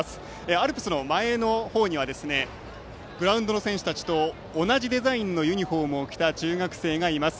アルプスの前の方にはグラウンドの選手たちと同じデザインのユニフォームを着た中学生がいます。